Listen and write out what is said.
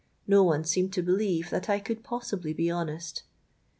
No one seemed to believe that I could possibly be honest.